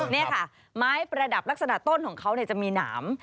นี่ค่ะไม้ประดับลักษณะต้นของเขาจะมีหนาม